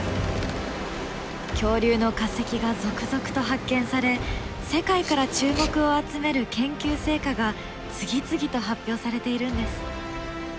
恐竜の化石が続々と発見され世界から注目を集める研究成果が次々と発表されているんです。